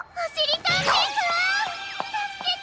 たすけて！